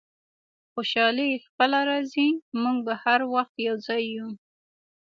خوشحالي خپله راځي، موږ به هر وخت یو ځای یو.